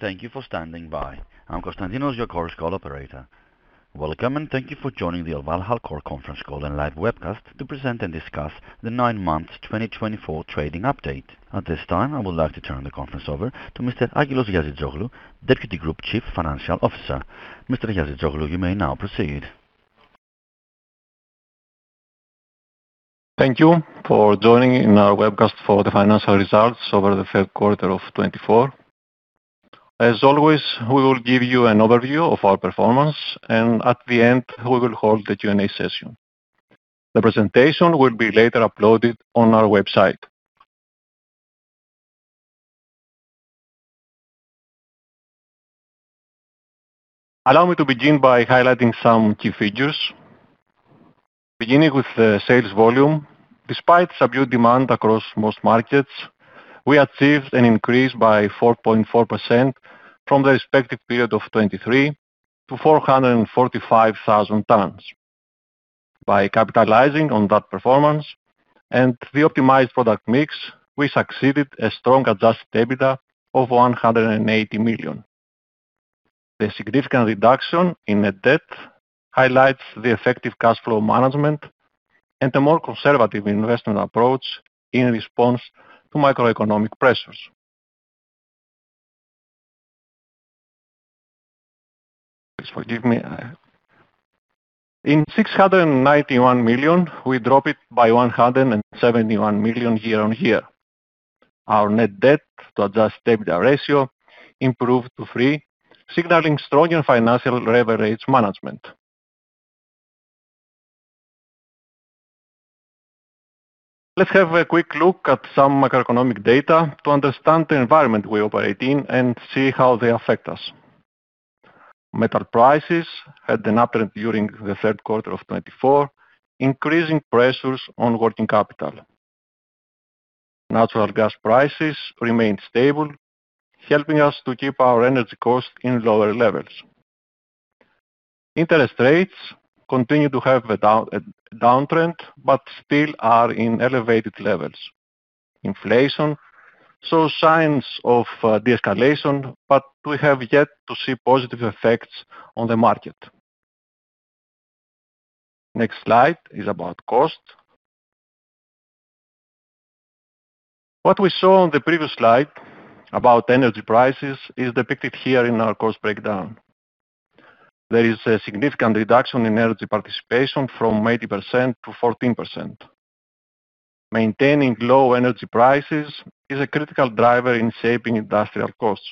Thank you for standing by. I'm Constantinos, your Chorus Call operator. Welcome, and thank you for joining the ElvalHalcor conference call and live webcast to present and discuss the 9-month 2024 trading update. At this time, I would like to turn the conference over to Mr. Angelos Giazitzoglou, Deputy Group Chief Financial Officer. Mr. Giazitzoglou, you may now proceed. Thank you for joining in our webcast for the financial results over the Q3 of 2024. As always, we will give you an overview of our performance, and at the end, we will hold the Q&A session. The presentation will be later uploaded on our website. Allow me to begin by highlighting some key figures. Beginning with the sales volume. Despite subdued demand across most markets, we achieved an increase by 4.4% from the respective period of 2023 to 445,000 tonnes. By capitalizing on that performance and the optimized product mix, we succeeded a strong adjusted EBITDA of 180 million. The significant reduction in net debt highlights the effective cash flow management and a more conservative investment approach in response to macroeconomic pressures. Please forgive me. In 691 million, we drop it by 171 million year on year. Our net debt to adjusted EBITDA ratio improved to three, signaling stronger financial leverage management. Let's have a quick look at some macroeconomic data to understand the environment we operate in and see how they affect us. Metal prices had an uptrend during the Q3 of 2024, increasing pressures on working capital. Natural gas prices remained stable, helping us to keep our energy costs in lower levels. Interest rates continue to have a downtrend, but still are in elevated levels. Inflation saw signs of de-escalation, but we have yet to see positive effects on the market. Next slide is about cost. What we saw on the previous slide about energy prices is depicted here in our cost breakdown. There is a significant reduction in energy participation from 80% to 14%. Maintaining low energy prices is a critical driver in shaping industrial costs.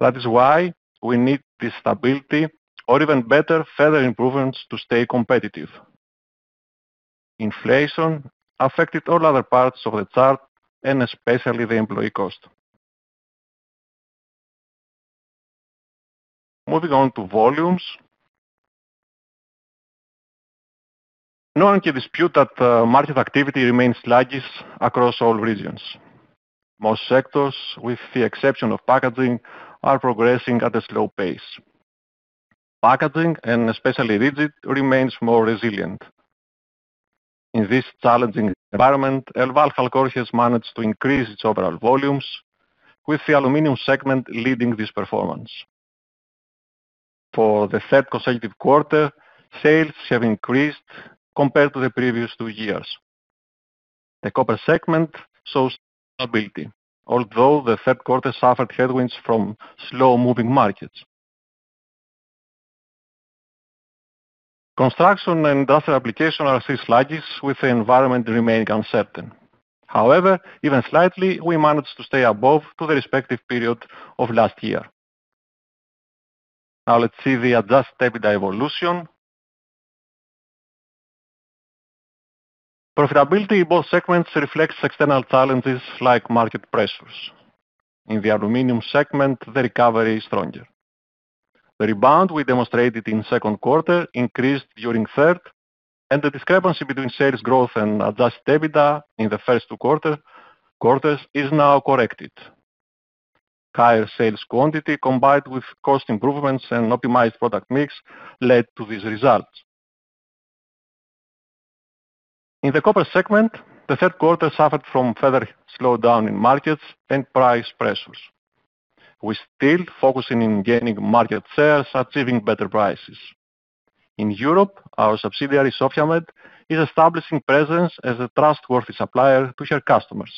That is why we need this stability or, even better, further improvements to stay competitive. Inflation affected all other parts of the chart and especially the employee cost. Moving on to volumes. No one can dispute that the market activity remains sluggish across all regions. Most sectors, with the exception of packaging, are progressing at a slow pace. Packaging, and especially rigid, remains more resilient. In this challenging environment, ElvalHalcor has managed to increase its overall volumes, with the aluminum segment leading this performance. For the third consecutive quarter, sales have increased compared to the previous two years. The copper segment shows stability, although the Q3 suffered headwinds from slow-moving markets. Construction and industrial application are still sluggish, with the environment remaining uncertain. However, even slightly, we managed to stay above to the respective period of last year. Now let's see the adjusted EBITDA evolution. Profitability in both segments reflects external challenges like market pressures. In the aluminum segment, the recovery is stronger. The rebound we demonstrated in Q2 increased during third, and the discrepancy between sales growth and adjusted EBITDA in the Q1 Q2 is now corrected. Higher sales quantity, combined with cost improvements and optimized product mix, led to these results. In the copper segment, the Q3 suffered from further slowdown in markets and price pressures. We're still focusing in gaining market shares, achieving better prices. In Europe, our subsidiary, Sofia Med AD, is establishing presence as a trustworthy supplier to her customers.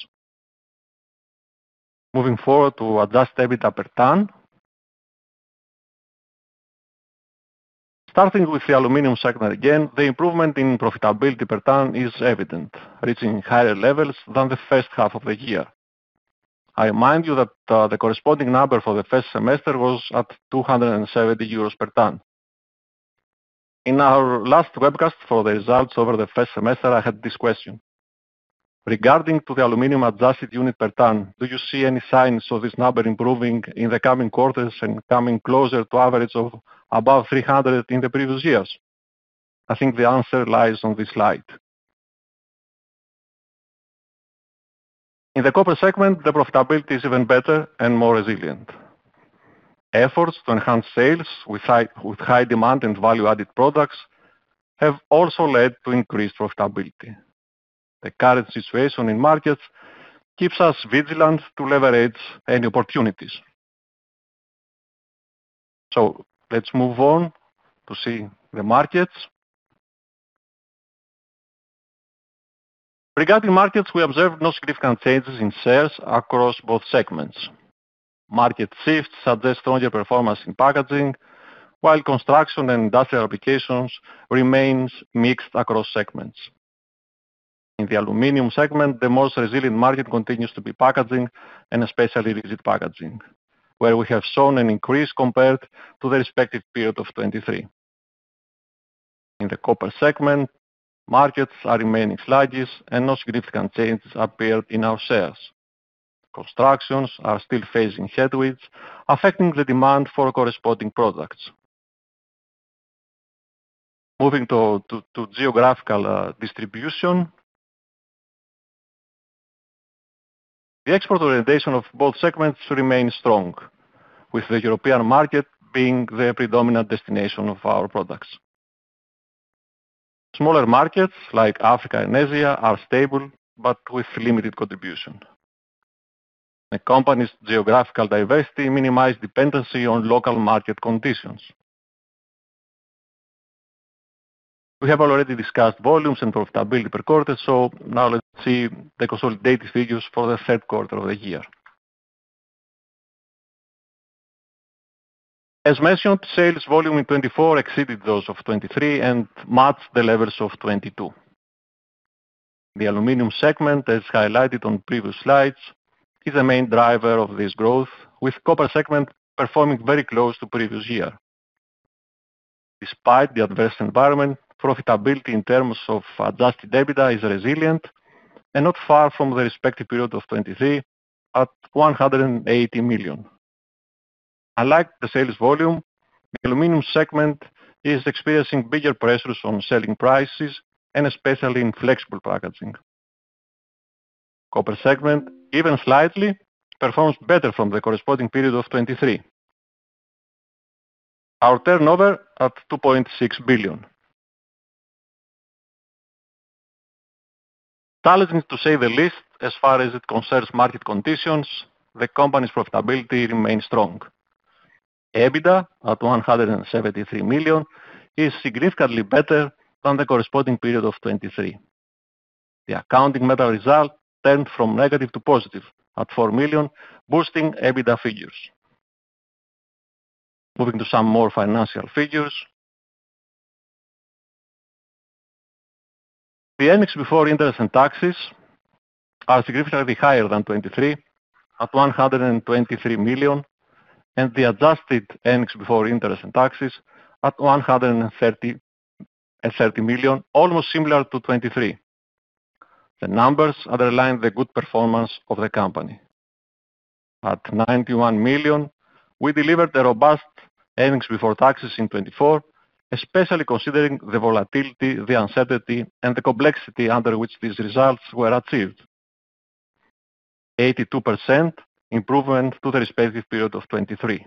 Moving forward to adjusted EBITDA per ton. Starting with the aluminum segment again, the improvement in profitability per ton is evident, reaching higher levels than the first half of the year. I remind you that the corresponding number for the first semester was at 270 euros per ton. In our last webcast for the results over the first semester, I had this question. Regarding the aluminum adjusted unit per ton, do you see any signs of this number improving in the coming quarters and coming closer to average of above 300 in the previous years? I think the answer lies on this slide. In the copper segment, the profitability is even better and more resilient. Efforts to enhance sales with high demand and value-added products have also led to increased profitability. The current situation in markets keeps us vigilant to leverage any opportunities. Let's move on to see the markets. Regarding markets, we observe no significant changes in sales across both segments. Market shifts suggest stronger performance in packaging, while construction and industrial applications remains mixed across segments. In the aluminum segment, the most resilient market continues to be packaging and especially rigid packaging, where we have shown an increase compared to the respective period of 2023. In the copper segment, markets are remaining sluggish and no significant changes appeared in our sales. Constructions are still facing headwinds, affecting the demand for corresponding products. Moving to geographical distribution. The export orientation of both segments remain strong, with the European market being the predominant destination of our products. Smaller markets like Africa and Asia are stable, but with limited contribution. The company's geographical diversity minimize dependency on local market conditions. We have already discussed volumes and profitability per quarter, so now let's see the consolidated figures for the of Q3 the year. As mentioned, sales volume in 2024 exceeded those of 2023 and matched the levels of 2022. The aluminum segment, as highlighted on previous slides, is the main driver of this growth, with copper segment performing very close to previous year. Despite the adverse environment, profitability in terms of adjusted EBITDA is resilient and not far from the respective period of 2023 at 180 million. Unlike the sales volume, the aluminum segment is experiencing bigger pressures on selling prices and especially in flexible packaging. Copper segment, even slightly, performs better from the corresponding period of 2023. Our turnover at EUR 2.6 billion. Challenging, to say the least, as far as it concerns market conditions, the company's profitability remains strong. EBITDA at 173 million is significantly better than the corresponding period of 2023. The accounting metal result turned from negative to positive at 4 million, boosting EBITDA figures. Moving to some more financial figures. The earnings before interest and taxes are significantly higher than 2023 at 123 million, and the adjusted earnings before interest and taxes at 133 million, almost similar to 2023. The numbers underline the good performance of the company. At 91 million, we delivered a robust earnings before taxes in 2024, especially considering the volatility, the uncertainty, and the complexity under which these results were achieved. 82% improvement to the respective period of 2023.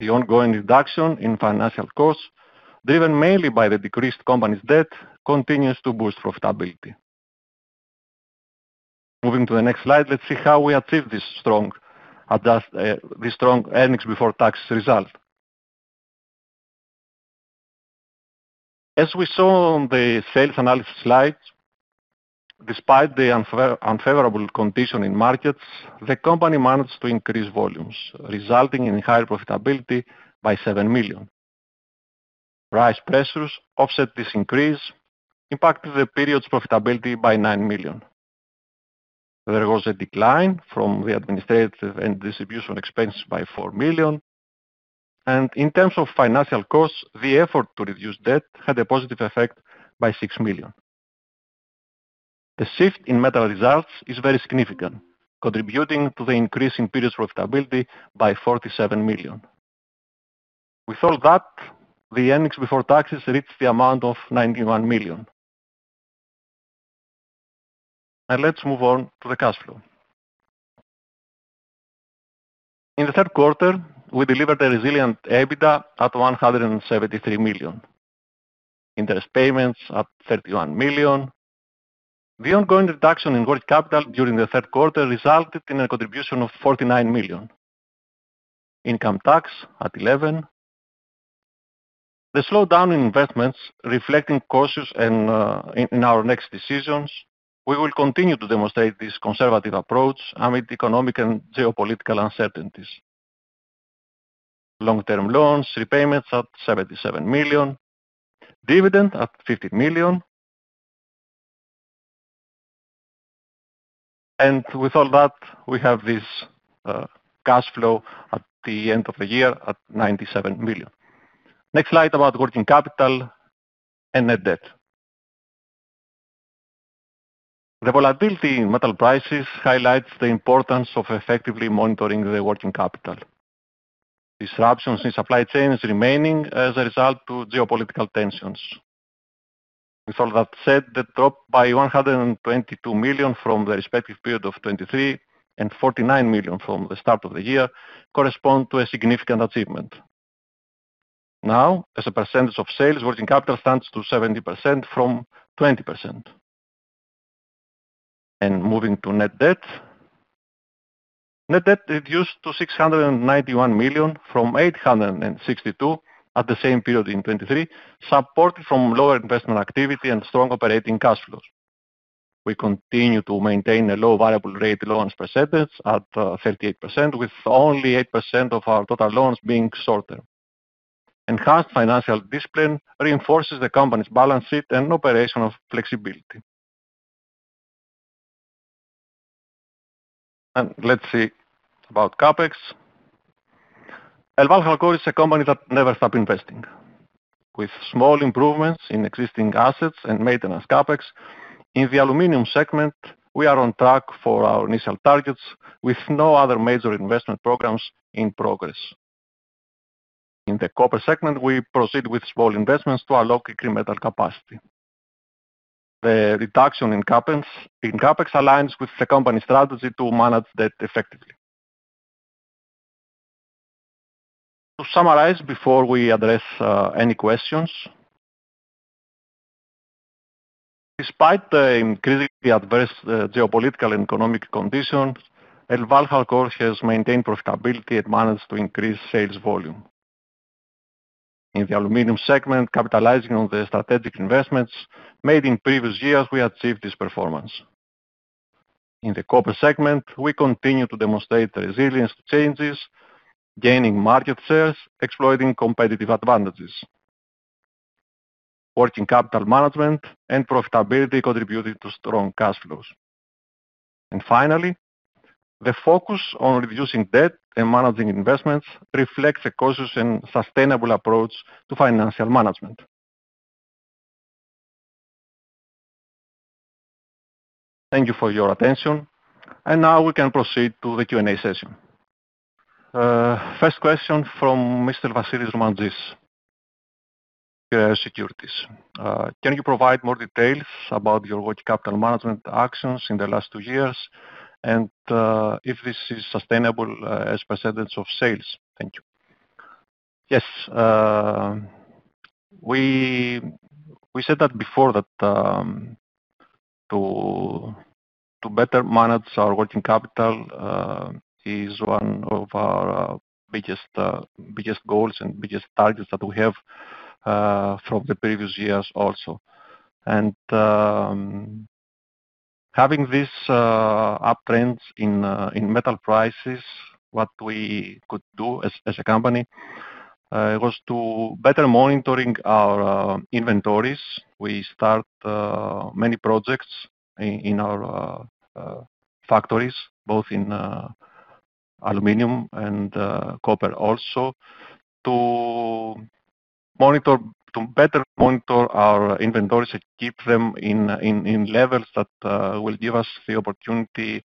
The ongoing reduction in financial costs, driven mainly by the decreased company's debt, continues to boost profitability. Moving to the next slide, let's see how we achieve this strong adjusted earnings before taxes result. As we saw on the sales analysis slide, despite the unfavorable condition in markets, the company managed to increase volumes, resulting in higher profitability by 7 million. Price pressures offset this increase, impacting the period's profitability by 9 million. There was a decline from the administrative and distribution expenses by 4 million. In terms of financial costs, the effort to reduce debt had a positive effect by 6 million. The shift in metal results is very significant, contributing to the increase in period's profitability by 47 million. With all that, the earnings before taxes reached the amount of 91 million. Now let's move on to the cash flow. In the Q3, we delivered a resilient EBITDA at 173 million. Interest payments at 31 million. The ongoing reduction in working capital during the Q3 resulted in a contribution of 49 million. Income tax at 11 million. The slowdown in investments reflecting cautious and in our next decisions, we will continue to demonstrate this conservative approach amid economic and geopolitical uncertainties. Long-term loans repayments at 77 million. Dividend at 50 million. With all that, we have this cash flow at the end of the year at 97 million. Next slide about working capital and net debt. The volatility in metal prices highlights the importance of effectively monitoring the working capital. Disruptions in supply chains remaining as a result to geopolitical tensions. With all that said, the drop by 122 million from the respective period of 23 and 49 million from the start of the year corresponds to a significant achievement. Now, as a percentage of sales, working capital stands to 70% from 20%. Moving to net debt. Net debt reduced to 691 million from 862 million at the same period in 2023, supported from lower investment activity and strong operating cash flows. We continue to maintain a low variable rate loans percentage at 38%, with only 8% of our total loans being short-term. Enhanced financial discipline reinforces the company's balance sheet and operational flexibility. Let's see about CapEx. ElvalHalcor is a company that never stop investing. With small improvements in existing assets and maintenance CapEx, in the aluminum segment, we are on track for our initial targets with no other major investment programs in progress. In the copper segment, we proceed with small investments to unlock incremental capacity. The reduction in CapEx aligns with the company strategy to manage debt effectively. To summarize before we address any questions. Despite the increasingly adverse geopolitical and economic conditions, ElvalHalcor has maintained profitability and managed to increase sales volume. In the aluminum segment, capitalizing on the strategic investments made in previous years, we achieved this performance. In the copper segment, we continue to demonstrate resilience to changes, gaining market shares, exploiting competitive advantages. Working capital management and profitability contributed to strong cash flows. Finally, the focus on reducing debt and managing investments reflects a cautious and sustainable approach to financial management. Thank you for your attention, and now we can proceed to the Q&A session. First question from Mr. Vasilis Romantzis, securities. Can you provide more details about your working capital management actions in the last two years and if this is sustainable as percentage of sales? Thank you. Yes. We said that before that to better manage our working capital is one of our biggest goals and biggest targets that we have from the previous years also. Having this uptrends in metal prices, what we could do as a company was to better monitor our inventories. We start many projects in our factories, both in aluminum and copper also to better monitor our inventories and keep them in levels that will give us the opportunity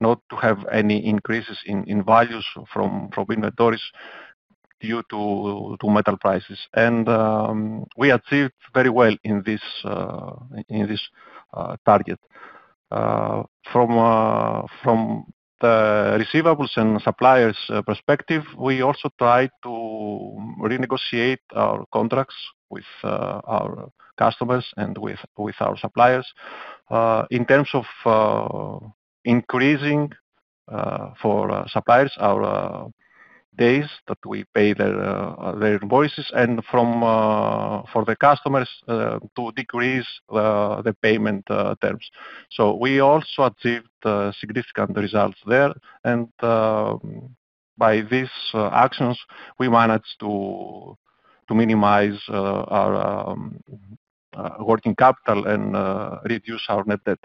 not to have any increases in values from inventories due to metal prices. We achieved very well in this target. From the receivables and suppliers perspective, we also try to renegotiate our contracts with our customers and with our suppliers in terms of increasing, for suppliers, our days that we pay their invoices and for the customers to decrease the payment terms. We also achieved significant results there. By these actions, we managed to minimize our working capital and reduce our net debt.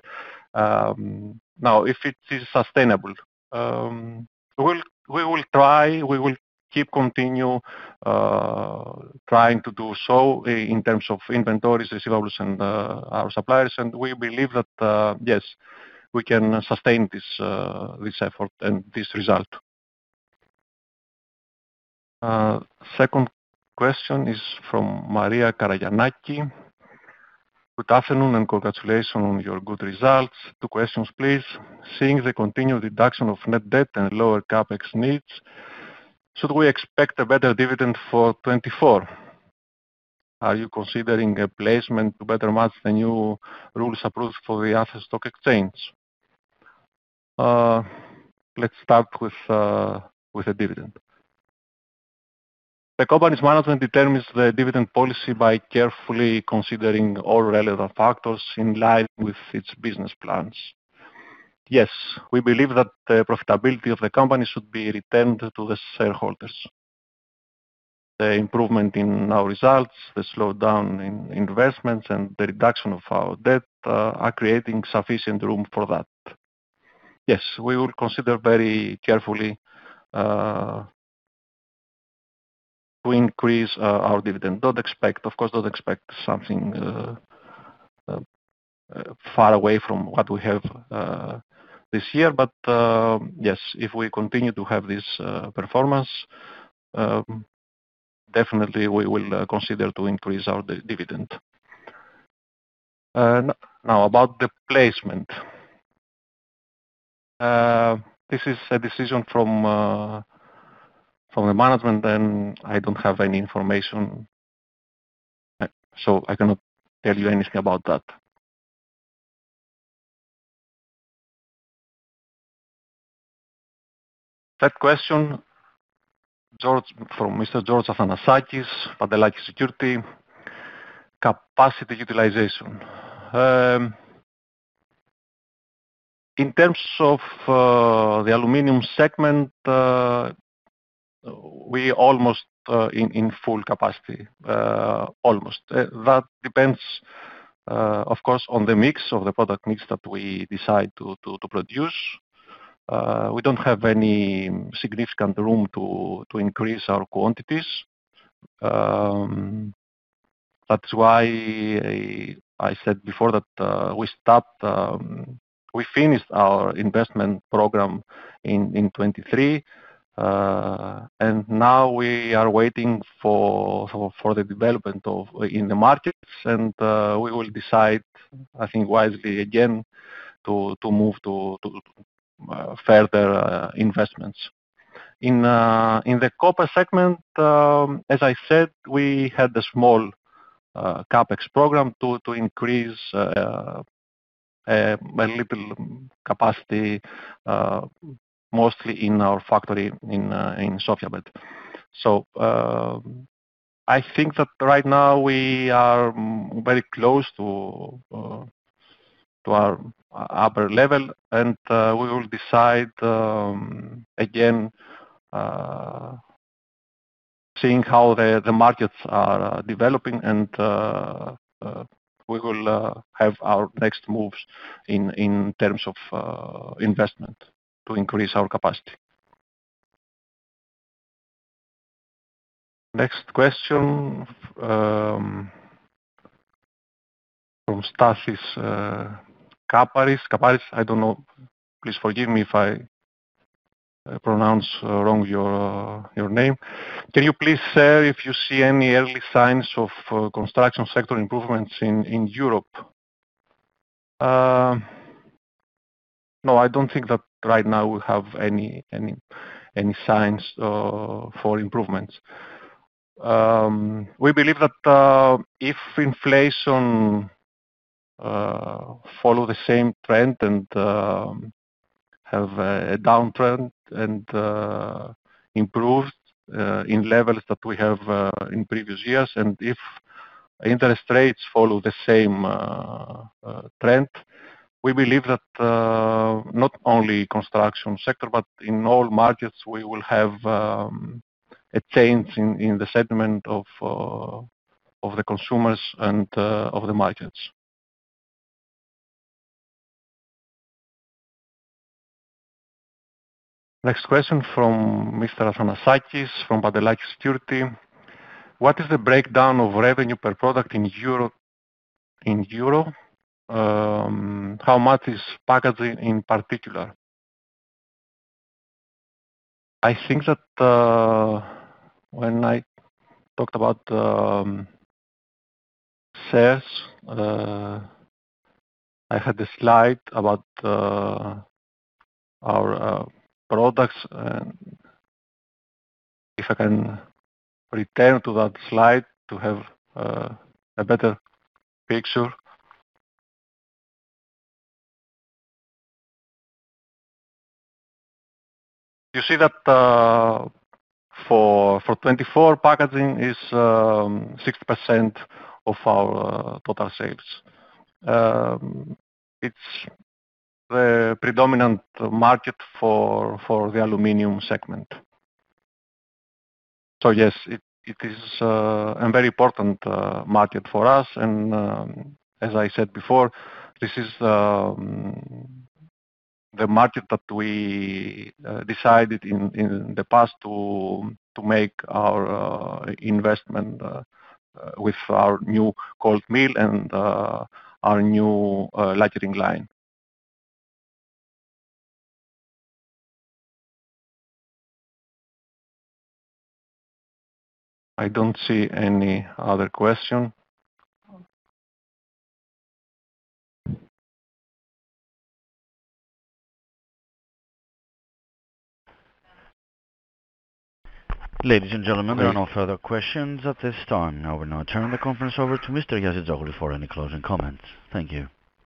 Now, if it is sustainable, we will try to keep continuing to do so in terms of inventories, receivables, and our suppliers. We believe that yes, we can sustain this effort and this result. Second question is from Maria Karagiannaki. Good afternoon, and congratulations on your good results. Two questions, please. Seeing the continued reduction of net debt and lower CapEx needs, should we expect a better dividend for 2024? Are you considering a placement to better match the new rules approved for the Athens Stock Exchange? Let's start with the dividend. The company's management determines the dividend policy by carefully considering all relevant factors in line with its business plans. Yes, we believe that the profitability of the company should be returned to the shareholders. The improvement in our results, the slowdown in investments, and the reduction of our debt are creating sufficient room for that. Yes, we will consider very carefully to increase our dividend. Don't expect, of course, don't expect something far away from what we have this year. Yes, if we continue to have this performance, definitely we will consider to increase our dividend. Now about the placement. This is a decision from the management, and I don't have any information, so I cannot tell you anything about that. Third question, George from Mr. George Athanasakis, Pantelakis Securities. Capacity utilization. In terms of the aluminum segment, we almost in full capacity almost. That depends, of course, on the mix of the product mix that we decide to produce. We don't have any significant room to increase our quantities. That's why I said before that we finished our investment program in 2023. Now we are waiting for the development in the markets and we will decide, I think wisely again, to move to further investments. In the copper segment, as I said, we had a small CapEx program to increase a little capacity, mostly in our factory in Sofia. I think that right now we are very close to our upper level, and we will decide again, seeing how the markets are developing, and we will have our next moves in terms of investment to increase our capacity. Next question from Stathis Kaparias. Kaparis, I don't know. Please forgive me if I pronounce wrong your name. Can you please share if you see any early signs of construction sector improvements in Europe? No, I don't think that right now we have any signs for improvements. We believe that if inflation follow the same trend and have a downtrend and improved in levels that we have in previous years, and if interest rates follow the same trend, we believe that not only construction sector, but in all markets, we will have a change in the segment of the consumers and of the markets. Next question from Mr. Athanasakis from Pantelakis Securities. What is the breakdown of revenue per product in euros? How much is packaging in particular? I think that when I talked about sales, I had a slide about our products and if I can return to that slide to have a better picture. You see that for 2024, packaging is 60% of our total sales. It's the predominant market for the aluminum segment. Yes, it is a very important market for us. As I said before, this is the market that we decided in the past to make our investment with our new cold mill and our new lacquering line. I don't see any other question. Ladies and gentlemen, there are no further questions at this time. I will now turn the conference over to Mr. Giazitzoglou for any closing comments. Thank you.